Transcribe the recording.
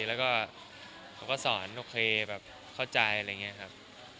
แล้วก็เขาก็สอนโอเคแบบเข้าใจอะไรอย่างนี้ครับ